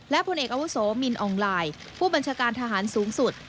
พลเอกอาวุโสมินอองลายผู้บัญชาการทหารสูงสุด